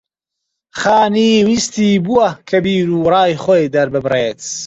خانی ویستی بووە کە بیرو ڕای خۆی دەرببڕێت